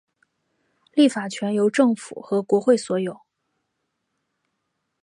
立法权由政府和国会所有。